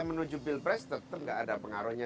menuju bill press tetap gak ada pengaruhnya